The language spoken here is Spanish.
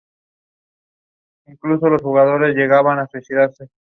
Hay modelos no mínimos que dan unos escenarios más realistas.